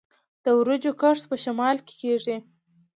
د وریجو کښت په شمال کې کیږي.